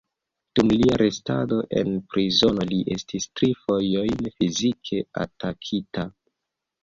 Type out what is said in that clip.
Dum lia restado en prizono li estis tri fojojn fizike atakita.